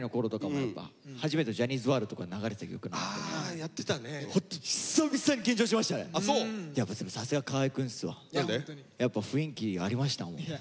やっぱ雰囲気ありましたもん。